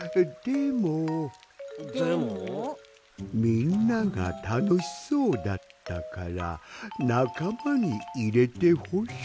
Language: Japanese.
みんながたのしそうだったからなかまにいれてほしくて。